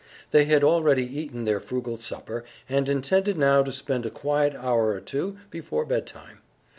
They had already eaten their frugal supper, and intended now to spend a quiet hour or two before bedtime.